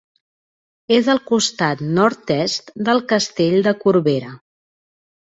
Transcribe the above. És al costat nord-est del Castell de Corbera.